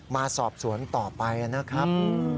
มาสอบสวนต่อไปนะครับ